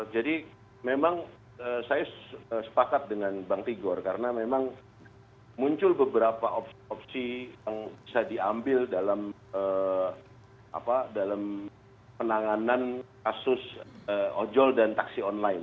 jadi memang saya sepakat dengan bang tigor karena memang muncul beberapa opsi yang bisa diambil dalam penanganan kasus ojol dan taksi online